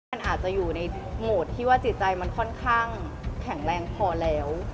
มันอาจจะอยู่ในโหมดที่ว่าจิตใจมันค่อนข้างแข็งแรงพอแล้ว